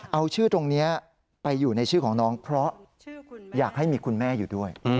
เอาชื่อตรงนี้ไปอยู่ในชื่อของน้องเพราะอยากให้มีคุณแม่อยู่ด้วย